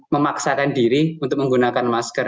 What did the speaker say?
memaksakan diri untuk menggunakan masker